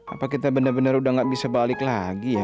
apa kita benar benar udah nggak bisa balik lagi ya